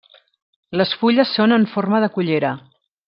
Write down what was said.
Les fulles són en forma de cullera.